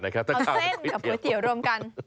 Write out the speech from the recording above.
เอาเส้นกับพอฉีเอาร่มกัน